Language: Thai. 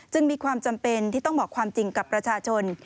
มีความจำเป็นที่ต้องบอกความจริงกับประชาชน